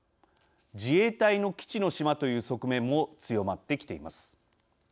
自衛隊の基地の島という側面も強まってきています。